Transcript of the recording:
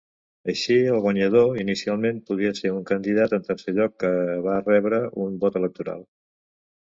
Així, el guanyador, inicialment, podria ser un candidat en tercer lloc que va rebre un vot electoral.